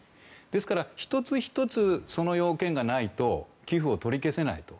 ですから１つ１つその要件がないと寄付を取り消せないと。